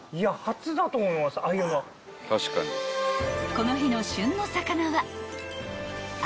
［この日の旬の魚は］